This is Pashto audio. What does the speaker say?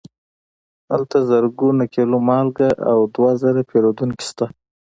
هلته زر کیلو مالګه او دوه زره پیرودونکي شته.